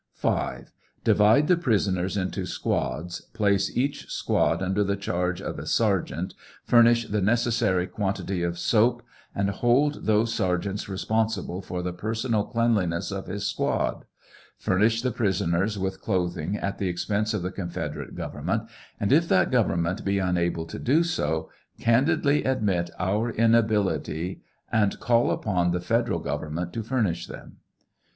5. Divide the prisoners into squads, place each squad under the charge of a sergeant, famish the necessary quantity of soap, and hold those sergeants responsible for the personal cleanliness of his squad; furnish the prisoners with clothing at the expense of the confederate government, and if that government be unable to do so, candidly admit our inability and call upon the federal government to furnish them.